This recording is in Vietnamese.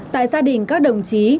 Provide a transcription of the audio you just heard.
tại gia đình các đồng chí